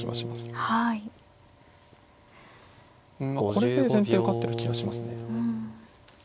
これで先手受かってる気がしますね。